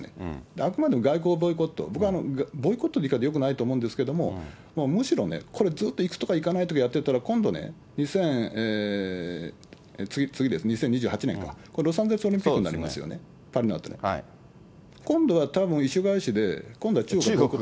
あくまでも外交ボイコット、僕はボイコットという言い方、よくないと思うんですけども、むしろ、これずっと行くとか行かないとかやってたら、今度ね、次ですね、２０２８年か、これロサンゼルスオリンピックになりますよね、パリのあと。今度はたぶん意趣返しで今度は。